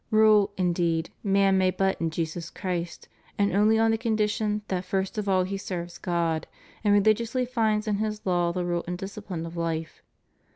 Rule, indeed, man may but in Jesus Christ, and only on the condition that first of all he serves God, and religiously finds in His law the rule and disciphne of life.